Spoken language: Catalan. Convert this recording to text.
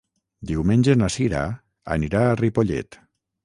Diumenge na Sira anirà a Ripollet.